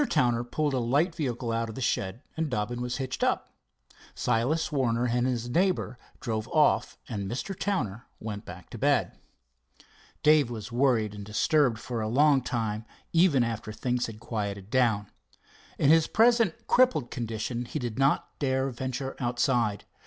Towner pulled a light vehicle out of a shed, and Dobbin was hitched up. Silas Warner and his neighbor drove off, and Mr. Towner went back to bed. Dave was worried and disturbed for a long time, even after things had quieted down. In his present crippled condition he did not dare venture outside.